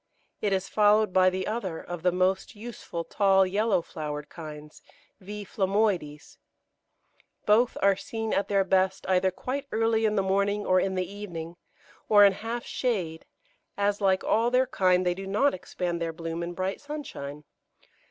It is followed by the other of the most useful tall, yellow flowered kinds, V. phlomoides. Both are seen at their best either quite early in the morning, or in the evening, or in half shade, as, like all their kind, they do not expand their bloom in bright sunshine.